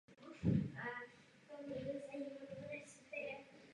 Odsud se následně rozšířila do Východní Evropy.